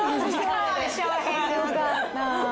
よかった。